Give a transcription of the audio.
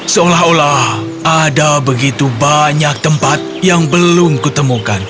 seolah olah ada begitu banyak tempat yang belum kutemukan